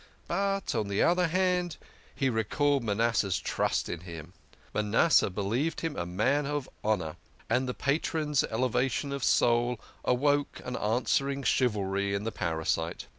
But, on the other hand, he recalled Manas seh's trust in him ; Ma nasseh believed him a man of honour, and the patron's elevation of soul awoke an answering chivalry in the parasite.